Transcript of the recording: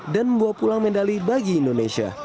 dan membawa pulang medali bagi indonesia